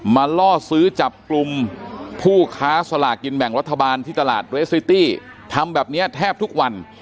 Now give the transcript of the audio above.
ล่อซื้อจับกลุ่มผู้ค้าสลากกินแบ่งรัฐบาลที่ตลาดเรสซิตี้ทำแบบนี้แทบทุกวัน